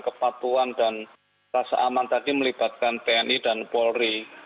kepatuan dan rasa aman tadi melibatkan pni dan polri